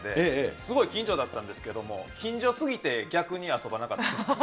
すごい近所だったんですけども、近所すぎて逆に遊ばなかったです。